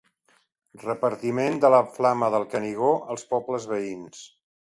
Repartiment de la flama del Canigó als pobles veïns.